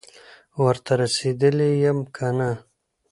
ورته رسېدلی یم که نه،